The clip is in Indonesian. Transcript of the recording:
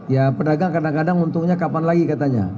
ya pedagang kadang kadang untungnya kapan lagi katanya